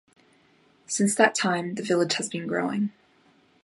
Since that time, the village has been growing.